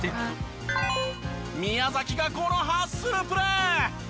宮崎がこのハッスルプレー！